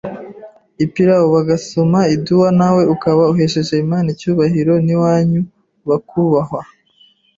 ipilawo) Bagasoma iduwa nawe ukaba uhesheje Imana icyubahiro n’ iwanyu bakubahwa